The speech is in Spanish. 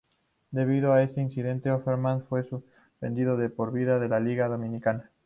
Debido a este incidente, "Offerman" fue suspendido de por vida de la "Liga Dominicana".